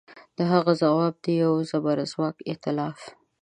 د هغه ځواب د یوه زبرځواک ایتلاف